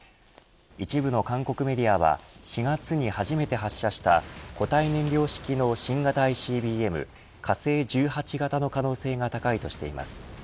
一部の韓国メディアは４月に初めて発射した固体燃料式の新型ＩＣＢＭ火星１８型の可能性が高いとしています。